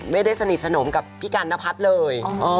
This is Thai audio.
ไม่ได้สนิทสนมกับพี่กันนพัฒน์เลย